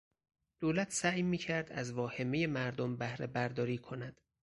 دولت سعی میکرد از واهمهی مردم بهرهبرداری کند.